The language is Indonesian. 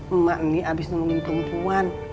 emak ini abis nungguin perempuan